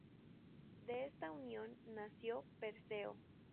De esta unión nació Perseo.